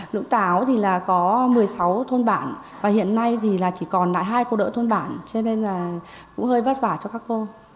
lũ táo thì là có một mươi sáu thôn bản và hiện nay thì là chỉ còn lại hai cô đỡ thôn bản cho nên là cũng hơi vất vả cho các cô